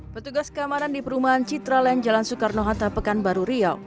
petugas keamanan di perumahan citralen jalan soekarno hatta pekanbaru riau